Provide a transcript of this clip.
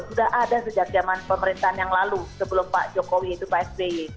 sudah ada sejak zaman pemerintahan yang lalu sebelum pak jokowi itu pak sby